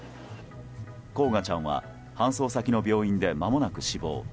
煌翔ちゃんは搬送先の病院でまもなく死亡。